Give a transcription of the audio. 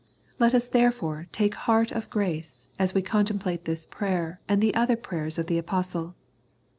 Let us there fore take heart of grace as we contemplate this prayer and the other prayers of the Apostle.